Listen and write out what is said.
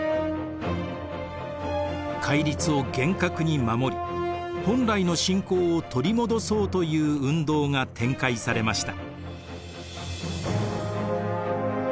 戒律を厳格に守り本来の信仰を取り戻そうという運動が展開されました。